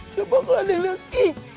kenapa gak ada yang liat